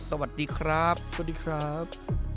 สวัสดีครับ